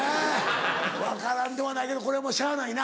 分からんではないけどこれしゃあないな。